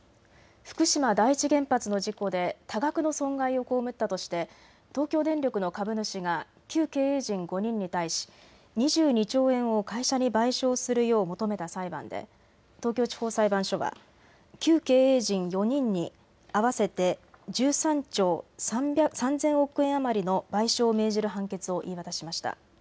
福島第一原発の事故で多額の損害を被ったとして東京電力の株主が旧経営陣５人に対し２２兆円を会社に賠償するよう求めた裁判で東京地方裁判所は旧経営陣４人に合わせて１３兆３０００億円余りの賠償を命じる判決を言い渡しました。